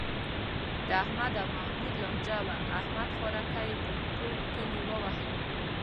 د احمد او محمود لانجه وه، احمد خوارکی یې په ټول کلي و وهلو.